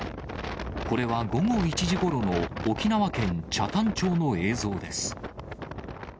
これは午後１時ごろの沖縄県北谷町の映像です。